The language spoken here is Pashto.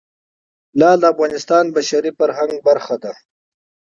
لعل د افغانستان د بشري فرهنګ برخه ده.